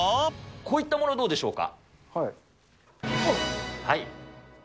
こういったものどうでしょうか。